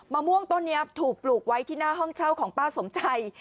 ม่วงต้นนี้ถูกปลูกไว้ที่หน้าห้องเช่าของป้าสมชัย